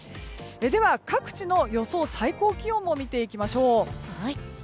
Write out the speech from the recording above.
では、各地の予想最高気温を見ていきましょう。